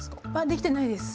できてないです。